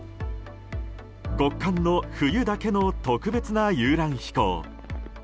極寒の冬だけの特別な遊覧飛行。